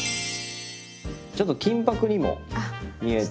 ちょっと金ぱくにも見えて。